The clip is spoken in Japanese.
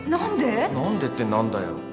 何でって何だよ。